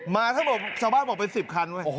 มาทั้งหมดชาวบ้านบอกเป็น๑๐คัน